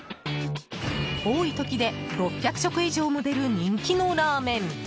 多い時で、６００食以上も出る人気のラーメン。